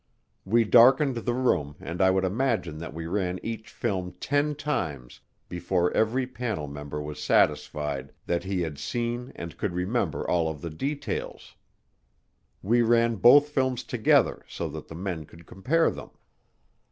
We darkened the room and I would imagine that we ran each film ten times before every panel member was satisfied that he had seen and could remember all of the details. We ran both films together so that the men could compare them.